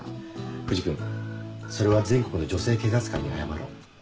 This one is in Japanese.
藤君それは全国の女性警察官に謝ろう。